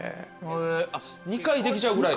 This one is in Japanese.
あっ２回できちゃうぐらい。